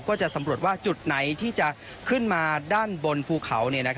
ก็จะสำรวจว่าจุดไหนที่จะขึ้นมาด้านบนภูเขา